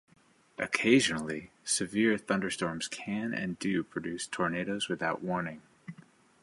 Occasionally, severe thunderstorms can and do produce tornadoes without warning.